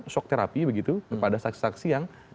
shock therapy begitu kepada saksi saksi yang